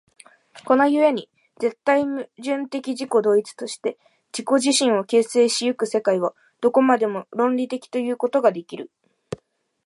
この故に絶対矛盾的自己同一として自己自身を形成し行く世界は、どこまでも論理的ということができる。